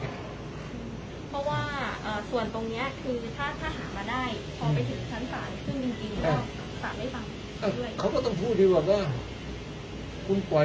เพราะว่าส่วนตรงนี้คือถ้าหามาได้พอไปถึงสรรภัณฑ์คือจริงก็สามารถไปฟังด้วย